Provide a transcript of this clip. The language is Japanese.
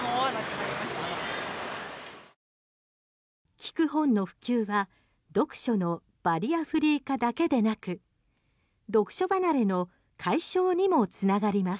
聴く本の普及は読書のバリアフリー化だけでなく読書離れの解消にもつながります。